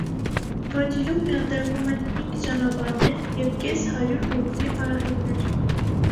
Վաջիրում միատեղվում են հինգ ճանապարհներ և կես հարյուր ուղտի արահետներ։